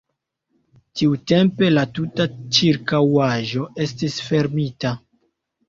Tiutempe la tuta ĉirkaŭaĵo estis fermita.